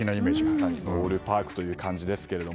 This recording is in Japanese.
まさにボールパークという感じですが。